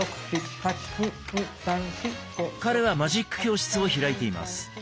彼はマジック教室を開いています。